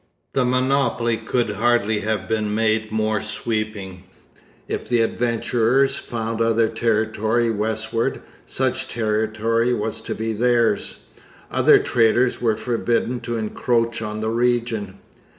The monopoly could hardly have been made more sweeping. If the adventurers found other territory westward, such territory was to be theirs. Other traders were forbidden to encroach on the region.